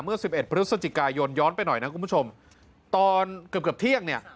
เมื่อสิบเอ็ดพฤศจิกายนย้อนย้อนไปหน่อยนะคุณผู้ชมตอนเกือบเที่ยงเนี่ย